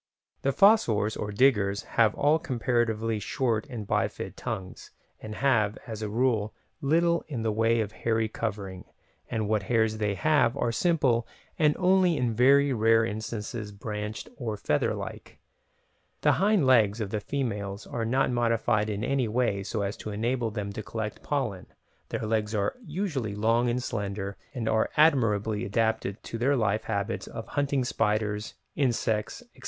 The fossors, or "diggers", have all comparatively short and bifid tongues, and have, as a rule, little in the way of hairy covering, and what hairs they have are simple and only in very rare instances branched or feather like. The hind legs of the females are not modified in any way so as to enable them to collect pollen, their legs are usually long and slender, and they are admirably adapted to their life habits of hunting spiders, insects, etc.